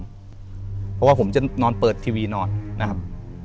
เพราะว่าผมจะนอนเปิดทีวีนอนนะครับ